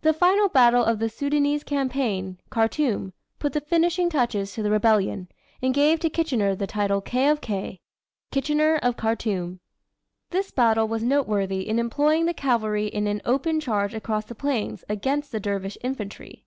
The final battle of the Soudanese campaign, Khartoum, put the finishing touches to the rebellion, and gave to Kitchener the title "K. of K." Kitchener of Khartoum. This battle was noteworthy in employing the cavalry in an open charge across the plains against the dervish infantry.